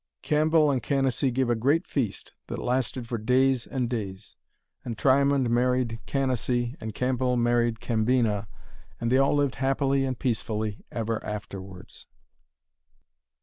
Cambell and Canacee gave a great feast that lasted for days and days. And Triamond married Canacee, and Cambell married Cambina, and they all lived happily and peacefully ever afterwards.